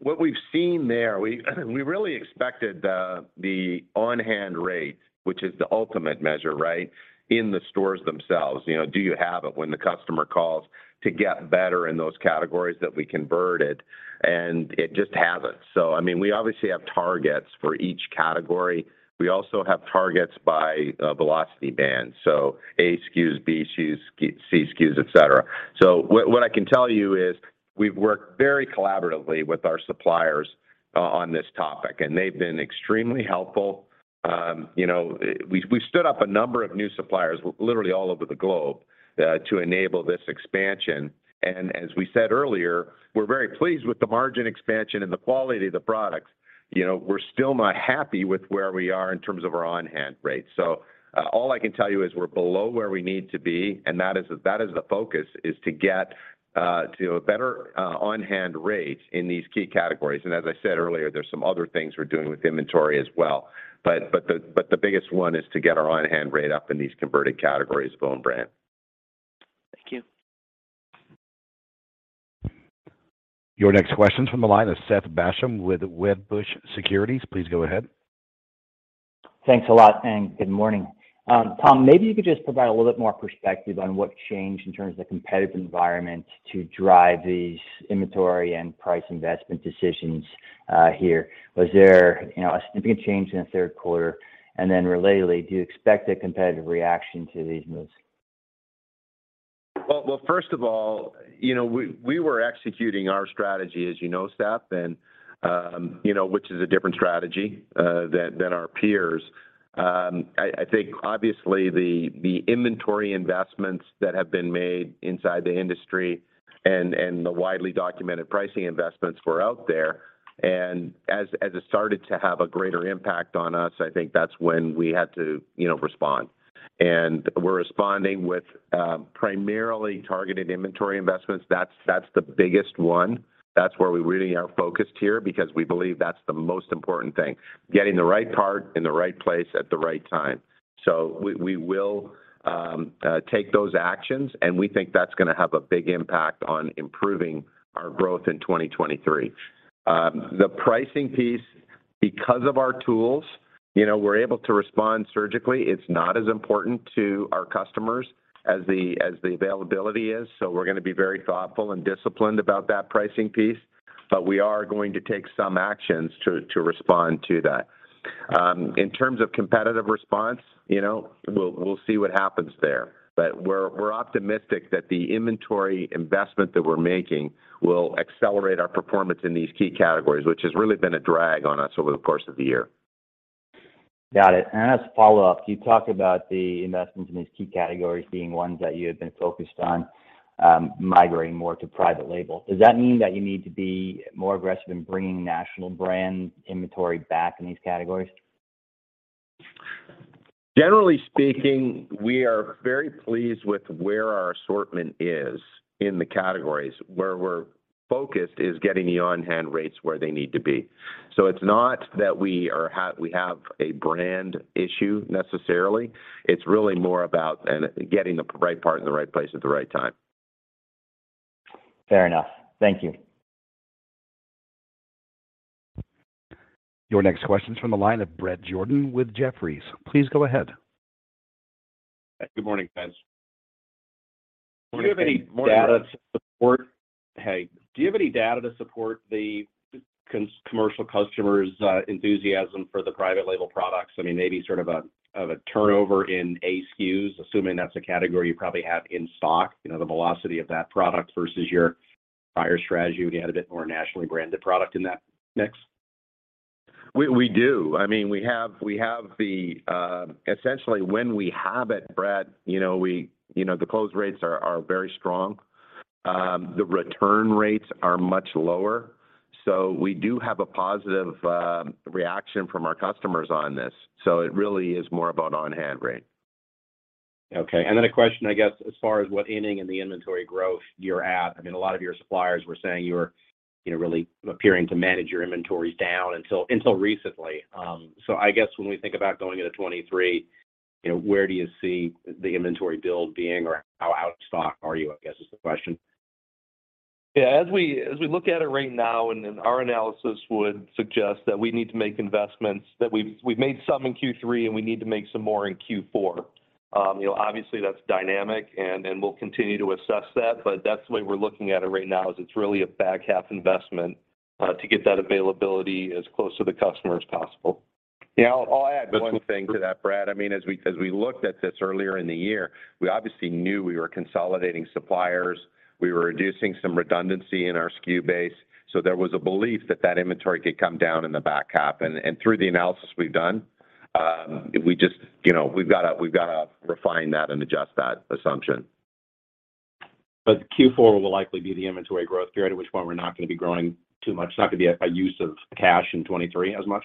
What we've seen there, we really expected the on-hand rate, which is the ultimate measure, right? In the stores themselves, you know, do you have it when the customer calls to get better in those categories that we converted? It just hasn't. I mean, we obviously have targets for each category. We also have targets by velocity band, so A SKUs, B SKUs, C SKUs, et cetera. What I can tell you is we've worked very collaboratively with our suppliers on this topic, and they've been extremely helpful. You know, we stood up a number of new suppliers literally all over the globe to enable this expansion. As we said earlier, we're very pleased with the margin expansion and the quality of the products. You know, we're still not happy with where we are in terms of our on-hand rates. All I can tell you is we're below where we need to be, and that is the focus is to get to a better on-hand rate in these key categories. As I said earlier, there's some other things we're doing with inventory as well. The biggest one is to get our on-hand rate up in these converted categories of own brand. Thank you. Your next question's from the line of Seth Basham with Wedbush Securities. Please go ahead. Thanks a lot, and good morning. Tom, maybe you could just provide a little bit more perspective on what changed in terms of the competitive environment to drive these inventory and price investment decisions, here. Was there, you know, a significant change in the third quarter? Relatedly, do you expect a competitive reaction to these moves? Well, first of all, you know, we were executing our strategy as you know, Seth, and you know, which is a different strategy than our peers. I think obviously the inventory investments that have been made inside the industry and the widely documented pricing investments were out there. As it started to have a greater impact on us, I think that's when we had to you know, respond. We're responding with primarily targeted inventory investments. That's the biggest one. That's where we really are focused here because we believe that's the most important thing, getting the right part in the right place at the right time. We will take those actions, and we think that's gonna have a big impact on improving our growth in 2023. The pricing piece, because of our tools, you know, we're able to respond surgically. It's not as important to our customers as the, as the availability is, so we're gonna be very thoughtful and disciplined about that pricing piece. We are going to take some actions to respond to that. In terms of competitive response, you know, we'll see what happens there. We're optimistic that the inventory investment that we're making will accelerate our performance in these key categories, which has really been a drag on us over the course of the year. Got it. As a follow-up, you talk about the investments in these key categories being ones that you have been focused on, migrating more to private label. Does that mean that you need to be more aggressive in bringing national brand inventory back in these categories? Generally speaking, we are very pleased with where our assortment is in the categories. Where we're focused is getting the on-hand rates where they need to be. It's not that we have a brand issue necessarily. It's really more about getting the right part in the right place at the right time. Fair enough. Thank you. Your next question's from the line of Bret Jordan with Jefferies. Please go ahead. Good morning, guys. Good morning, Bret. Do you have any data to support the commercial customers' enthusiasm for the private label products? I mean, maybe sort of a turnover in SKUs, assuming that's a category you probably have in stock, you know, the velocity of that product versus your prior strategy would add a bit more nationally branded product in that mix. We do. Essentially when we have it, Bret, you know, the close rates are very strong. The return rates are much lower, so we do have a positive reaction from our customers on this. It really is more about on-hand rate. Okay. Then a question, I guess, as far as what inning in the inventory growth you're at. I mean, a lot of your suppliers were saying you were, you know, really appearing to manage your inventories down until recently. I guess when we think about going into 2023, you know, where do you see the inventory build being, or how out of stock are you, I guess is the question? Yeah. As we look at it right now and our analysis would suggest that we need to make investments that we've made some in Q3 and we need to make some more in Q4. You know, obviously that's dynamic and we'll continue to assess that, but that's the way we're looking at it right now is it's really a back half investment to get that availability as close to the customer as possible. Yeah. I'll add one thing to that, Bret. I mean, as we looked at this earlier in the year, we obviously knew we were consolidating suppliers. We were reducing some redundancy in our SKU base. So there was a belief that inventory could come down in the back half. Through the analysis we've done, we just, you know, we've gotta refine that and adjust that assumption. Q4 will likely be the inventory growth period, at which point we're not gonna be growing too much, not gonna be a use of cash in 2023 as much?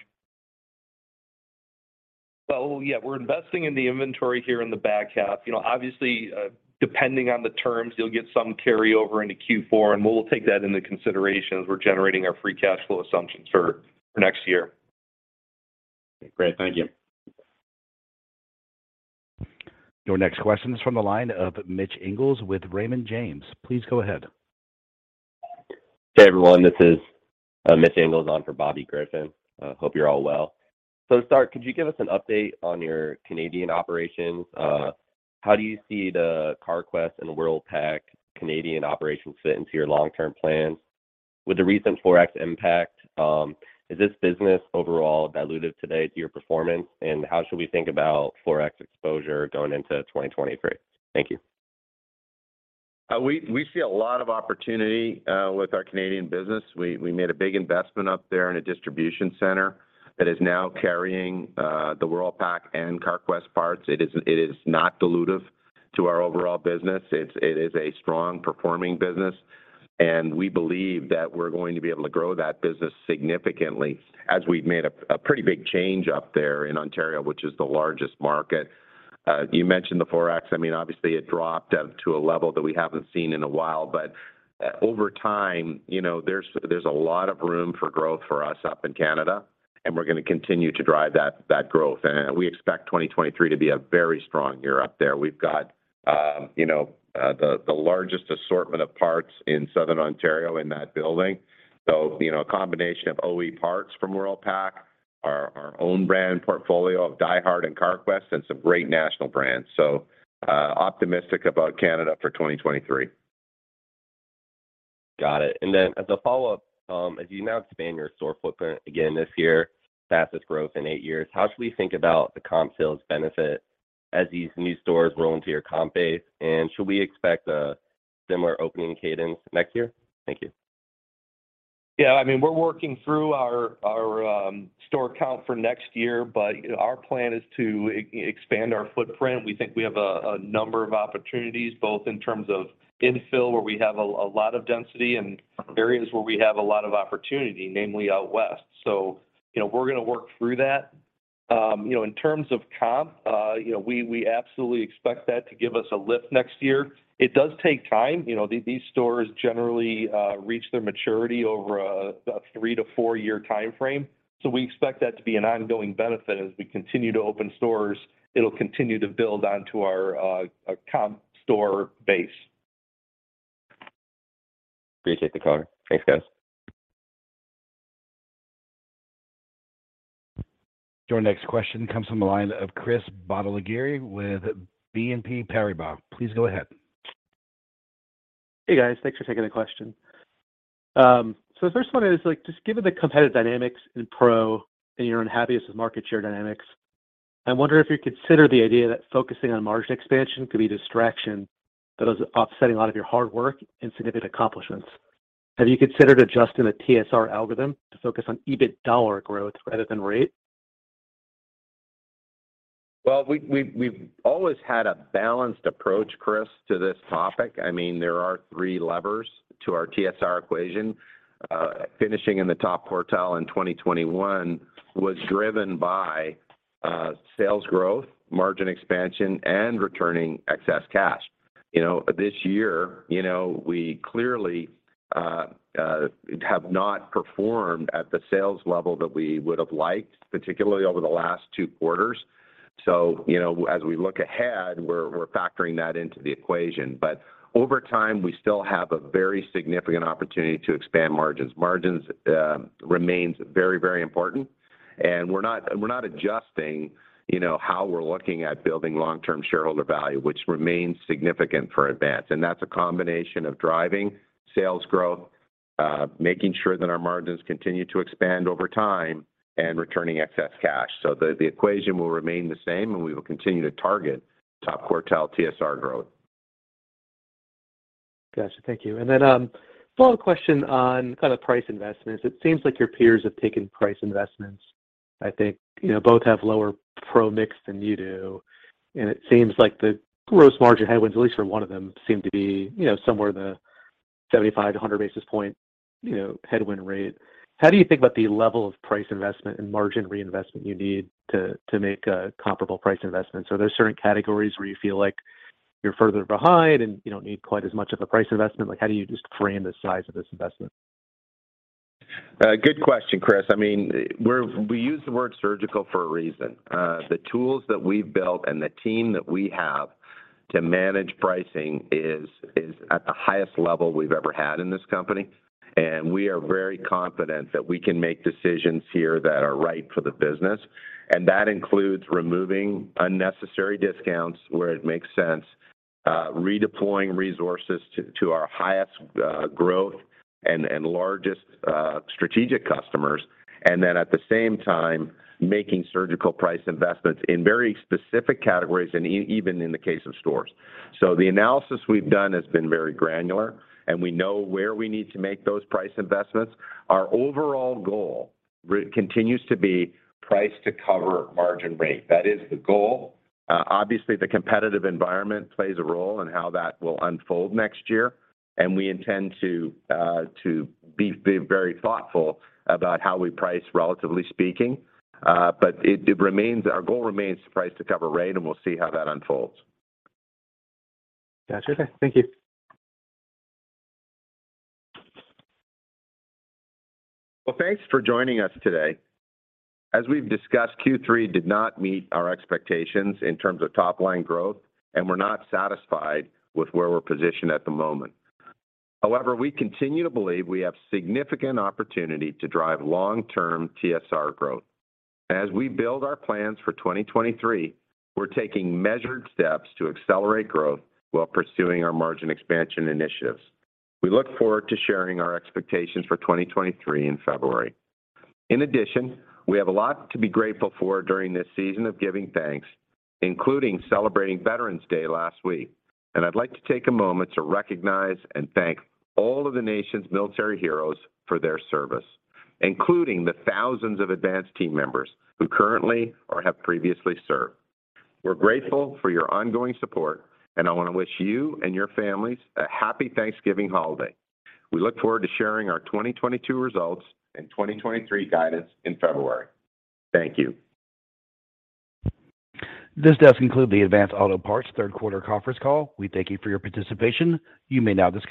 Yeah. We're investing in the inventory here in the back half. You know, obviously, depending on the terms, you'll get some carryover into Q4, and we'll take that into consideration as we're generating our free cash flow assumptions for next year. Great. Thank you. Your next question is from the line of Mitch Ingles with Raymond James. Please go ahead. Hey everyone, this is Mitchell Ingles on for Bobby Griffin. Hope you're all well. To start, could you give us an update on your Canadian operations? How do you see the Carquest and Worldpac Canadian operations fit into your long-term plans? With the recent Forex impact, is this business overall dilutive today to your performance? How should we think about Forex exposure going into 2023? Thank you. We see a lot of opportunity with our Canadian business. We made a big investment up there in a distribution center that is now carrying the Worldpac and Carquest parts. It is not dilutive to our overall business. It is a strong performing business, and we believe that we're going to be able to grow that business significantly as we've made a pretty big change up there in Ontario, which is the largest market. You mentioned the forex. I mean, obviously it dropped down to a level that we haven't seen in a while, but over time, you know, there's a lot of room for growth for us up in Canada, and we're gonna continue to drive that growth. We expect 2023 to be a very strong year up there. We've got, you know, the largest assortment of parts in southern Ontario in that building. You know, a combination of OE parts from Worldpac, our own brand portfolio of DieHard and Carquest, and some great national brands. Optimistic about Canada for 2023. Got it. As a follow-up, as you now expand your store footprint again this year, fastest growth in eight years, how should we think about the comp sales benefit as these new stores roll into your comp base? Should we expect a similar opening cadence next year? Thank you. Yeah, I mean, we're working through our store count for next year, but our plan is to expand our footprint. We think we have a number of opportunities, both in terms of infill, where we have a lot of density and areas where we have a lot of opportunity, namely out west. You know, we're gonna work through that. You know, in terms of comp, you know, we absolutely expect that to give us a lift next year. It does take time. You know, these stores generally reach their maturity over a three to four-year timeframe. We expect that to be an ongoing benefit. As we continue to open stores, it'll continue to build onto our comp store base. Appreciate the color. Thanks, guys. Your next question comes from the line of Chris Bottiglieri with BNP Paribas. Please go ahead. Hey, guys. Thanks for taking the question. The first one is like just given the competitive dynamics in Pro and your own heaviest market share dynamics, I wonder if you consider the idea that focusing on margin expansion could be a distraction that is offsetting a lot of your hard work and significant accomplishments. Have you considered adjusting the TSR algorithm to focus on EBIT dollar growth rather than rate? Well, we've always had a balanced approach, Chris, to this topic. I mean, there are three levers to our TSR equation. Finishing in the top quartile in 2021 was driven by sales growth, margin expansion, and returning excess cash. You know, this year, you know, we clearly have not performed at the sales level that we would have liked, particularly over the last two quarters. You know, as we look ahead, we're factoring that into the equation. Over time, we still have a very significant opportunity to expand margins. Margins remains very, very important. We're not adjusting, you know, how we're looking at building long-term shareholder value, which remains significant for Advance. That's a combination of driving sales growth, making sure that our margins continue to expand over time and returning excess cash. The equation will remain the same, and we will continue to target top quartile TSR growth. Gotcha. Thank you. Follow-up question on kind of price investments. It seems like your peers have taken price investments. I think, you know, both have lower pro-mix than you do, and it seems like the gross margin headwinds, at least for one of them, seem to be, you know, somewhere in the 75 to 100 basis point, you know, headwind rate. How do you think about the level of price investment and margin reinvestment you need to make a comparable price investment? There's certain categories where you feel like you're further behind, and you don't need quite as much of a price investment. Like, how do you just frame the size of this investment? Good question, Chris. I mean, we use the word surgical for a reason. The tools that we've built and the team that we have to manage pricing is at the highest level we've ever had in this company. We are very confident that we can make decisions here that are right for the business, and that includes removing unnecessary discounts where it makes sense, redeploying resources to our highest growth and largest strategic customers. Then at the same time, making surgical price investments in very specific categories and even in the case of stores. The analysis we've done has been very granular, and we know where we need to make those price investments. Our overall goal continues to be price to cover margin rate. That is the goal. Obviously, the competitive environment plays a role in how that will unfold next year, and we intend to be very thoughtful about how we price relatively speaking. Our goal remains price to cover rate, and we'll see how that unfolds. Gotcha. Okay. Thank you. Well, thanks for joining us today. As we've discussed, Q3 did not meet our expectations in terms of top line growth, and we're not satisfied with where we're positioned at the moment. However, we continue to believe we have significant opportunity to drive long-term TSR growth. As we build our plans for 2023, we're taking measured steps to accelerate growth while pursuing our margin expansion initiatives. We look forward to sharing our expectations for 2023 in February. In addition, we have a lot to be grateful for during this season of giving thanks, including celebrating Veterans Day last week. I'd like to take a moment to recognize and thank all of the nation's military heroes for their service, including the thousands of Advance team members who currently or have previously served. We're grateful for your ongoing support, and I wanna wish you and your families a happy Thanksgiving holiday. We look forward to sharing our 2022 results and 2023 guidance in February. Thank you. This does conclude the Advance Auto Parts third quarter conference call. We thank you for your participation. You may now disconnect.